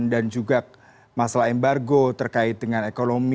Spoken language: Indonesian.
dan juga masalah embargo terkait dengan ekonomi